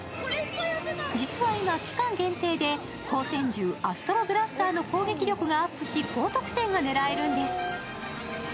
実は今、期間限定で光線銃アストロブラスターの攻撃力がアップし、高得点が狙えるんです。